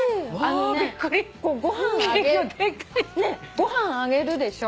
ご飯あげるでしょ。